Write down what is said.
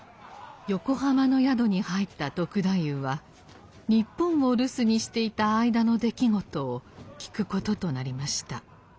横浜の宿に入った篤太夫は日本を留守にしていた間の出来事を聞くこととなりました。